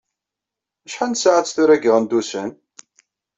Acḥal tasaɛett tura di Iɣendusen?